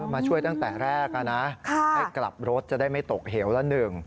มาช่วยตั้งแต่แรกนะให้กลับรถจะได้ไม่ตกเหวละหนึ่ง